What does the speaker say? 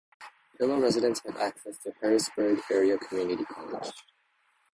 Pillow residents have access to Harrisburg Area Community College.